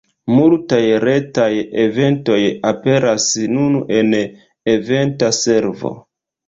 Multaj retaj eventoj aperas nun en Eventa Servo.